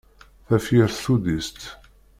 Tafyirt tuddist.